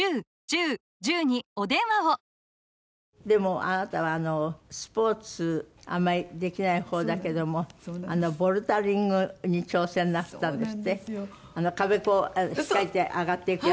でもあなたはスポーツあんまりできない方だけどもボルダリングに挑戦なすったんですって？